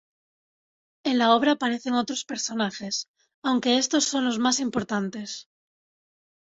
En la obra aparecen otros personajes, aunque estos son los más importantes.